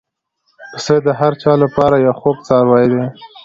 پسه د هر چا له پاره یو خوږ څاروی دی.